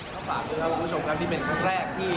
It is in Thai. ก็ฝากด้วยครับคุณผู้ชมครับนี่เป็นครั้งแรกที่